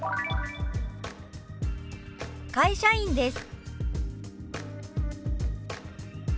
「会社員です」。